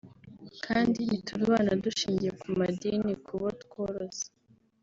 kandi ntiturobanura dushingiye ku madini ku botworoza